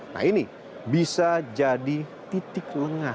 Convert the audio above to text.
nah ini bisa jadi titik lengah